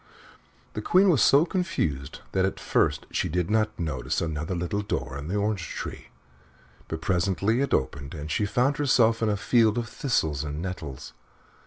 The Queen was so confused that at first she did not notice another little door in the orange tree, but presently it opened and she found herself in a field of thistles and nettles.